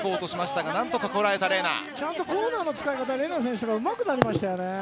ちゃんとコーナーの使い方ＲＥＮＡ選手がうまくなりましたよね。